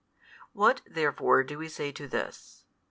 What therefore do we say to this?